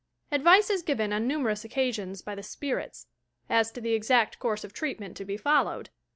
Advice is given on nmnerons occasions by the "spirits," as to the exact course of treatment to be followed.